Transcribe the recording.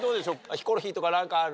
ヒコロヒーとか何かある？